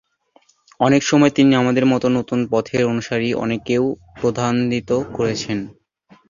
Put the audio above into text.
অনেক সময় তিনি আমাদের মতো নতুন পথের অনুসারী অনেককেও ক্রোধান্বিত করেছেন।